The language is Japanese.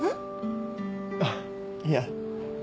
あっいや。